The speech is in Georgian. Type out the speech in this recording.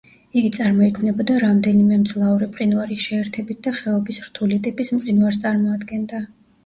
იგი წარმოიქმნებოდა რამდენიმე მძლავრი მყინვარის შეერთებით და ხეობის რთული ტიპის მყინვარს წარმოადგენდა.